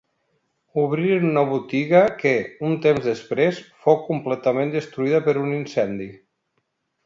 Obriren una botiga que, un temps després, fou completament destruïda per un incendi.